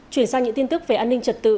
chuyển sang những tin tức về an ninh trật tự